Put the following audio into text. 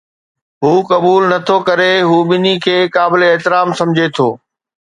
هو قبول نه ٿو ڪري، هو ٻنهي کي قابل احترام سمجهي ٿو